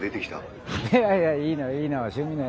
いやいやいいのいいの。